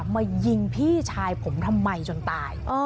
มายิงพี่ชายผมทำไมจนตาย